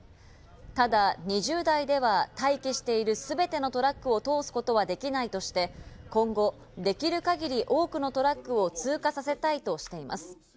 ただ２０台では待機している全てのトラックを通すことはできないとして、今後、できる限り多くのトラックを通過させたいとしています。